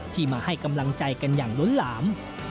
มาให้กำลังใจกันอย่างล้นหลาม